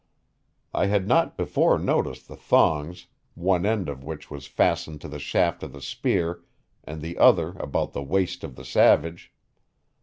I had not before noticed the thongs, one end of which was fastened to the shaft of the spear and the other about the waist of the savage.